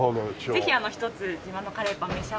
ぜひ１つ今半のカレーパンを召し上がって。